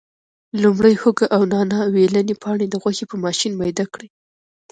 لومړی هوګه او نانا ویلني پاڼې د غوښې په ماشین میده کړي.